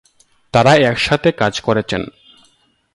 তারা একসাথে কাজ করেছেন।